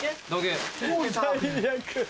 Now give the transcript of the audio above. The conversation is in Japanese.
最悪。